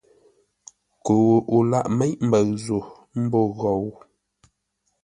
Koo o lâʼ méʼ mbəʉ zô ḿbô ghou!